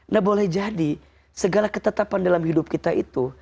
nah boleh jadi segala ketetapan dalam hidup kita itu